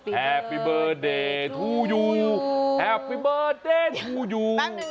แอบไปเบอร์เดย์ทูยูแฮปปี้เบอร์เดนทูยู